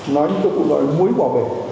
nói như tôi cũng gọi là muối bảo vệ